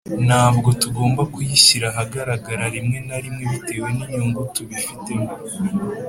ntabwo tugomba kuyishyira ahagaragara rimwe na rimwe bitewe n’inyungu tubifitemo,